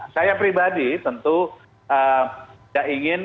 saya pribadi tentu tidak ingin